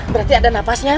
berarti ada nafasnya